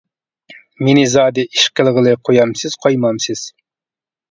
مېنى زادى ئىش قىلغىلى قويامسىز، قويمامسىز.